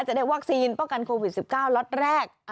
จะได้วัคซีนป้องกันโควิด๑๙ล็อตแรก